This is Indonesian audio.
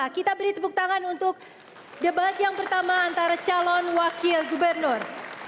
kita beri tepuk tangan untuk debat yang pertama antara calon wakil gubernur